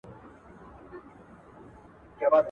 څوک چي لوڼي وروزي او بيا ئې واده کړي.